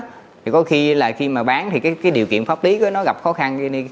thì có khi là khi mà bán thì cái điều kiện pháp lý nó gặp khó khăn